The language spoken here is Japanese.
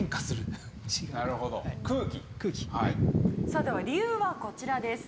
さあでは理由はこちらです。